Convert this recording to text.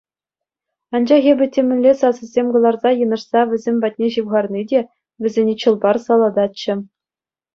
Анчах эпӗ темӗнле сасӑсем кӑларса йынӑшса вӗсем патне ҫывхарни те вӗсене чӑл-пар салататчӗ.